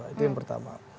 itu yang pertama